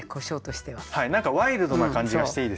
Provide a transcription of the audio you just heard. はい何かワイルドな感じがしていいですよね。